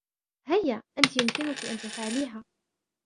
هيا. أنتِ يمكنكِ أن تفعليها.